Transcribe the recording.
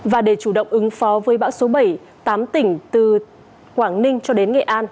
và để chủ động ứng phó với bão số bảy tám tỉnh từ quảng ninh cho đến nghệ an